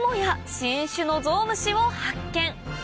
新種のゾウムシを発見